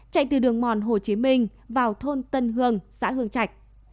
chạy từ đường mòn hồ chí minh vào thôn tân hương xã hương trạch